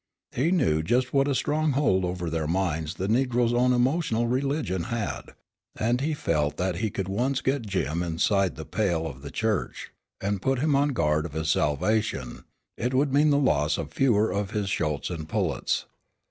He knew just what a strong hold over their minds the Negroes' own emotional religion had, and he felt that could he once get Jim inside the pale of the church, and put him on guard of his salvation, it would mean the loss of fewer of his shoats and pullets.